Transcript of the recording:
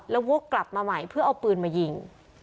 แล้ววกกลับมาใหม่เพื่อเอาปืนมายิง